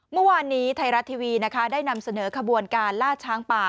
เมื่อวานนี้ไทยรัฐทีวีนะคะได้นำเสนอขบวนการล่าช้างป่า